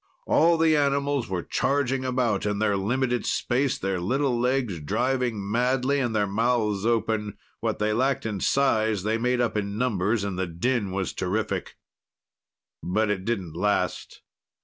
All the animals were charging about in their limited space, their little legs driving madly and their mouths open. What they lacked in size they made up in numbers, and the din was terrific. But it didn't last.